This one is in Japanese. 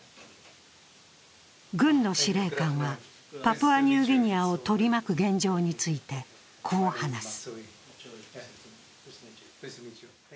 軍の司令官は、パプアニューギニアを取り巻く現状についてこう話す。